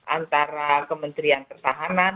antara kementerian persahanan